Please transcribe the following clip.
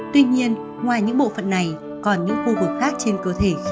tuy nhiên ngoài những bộ phận này còn những khu vực khác trên cơ thể khiến tình dục đạt được cực khoái